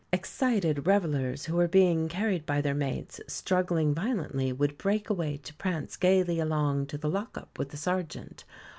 Excited revellers, who were being carried by their mates, struggling violently, would break away to prance gaily along to the lock up with the sergeant.